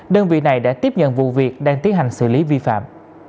đơn vị này đã tiếp nhận vụ việc đang tiến hành xử lý vi phạm